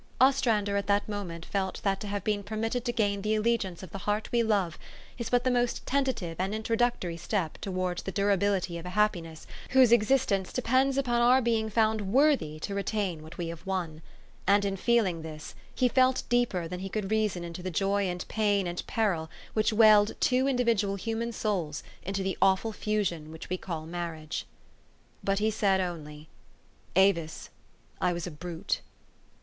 Ostrandcr at that moment felt that to have been permitted to gain the allegiance of the heart we love, is but the most tentative and introductory step to wards the durability of a happiness whose existence THE STORY OF AVIS. 283 depends upon our being found worthy to retain what we have won ; and in feeling this he felt deeper than he could reason into the joy and pain and peril which weld two individual human souls into the awful fusion which we call marriage. But he said only, "Avis, I was a brute